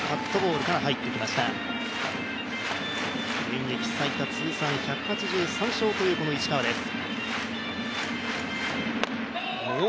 現役最多１８３勝という石川です。